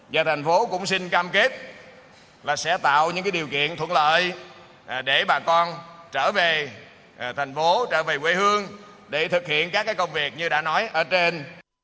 và thành phố cũng xin cam kết là sẽ tạo những điều kiện thuận lợi để bà con trở về thành phố trở về quê hương để thực hiện các công việc như đã nói ở trên